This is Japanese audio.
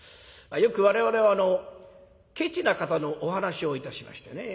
よく我々はケチな方のお噺をいたしましてね。